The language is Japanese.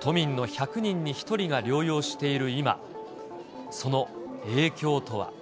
都民の１００人の１人が療養している今、その影響とは。